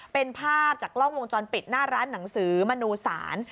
เป็นภาพจากกล้องวงจรปิดหน้าร้านหนังสือมนูศาล